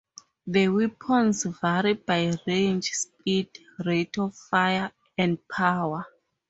The weapons vary by range, speed, rate-of-fire, and power.